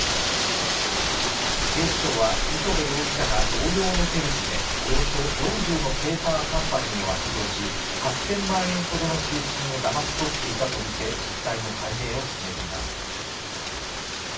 警視庁は磯辺容疑者が同様の手口でおよそ４０のペーパーカンパニーを悪用し、８０００万円ほどの給付金をだまし取っていたとみて実態の解明を進めています。